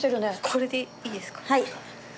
これでいいですか？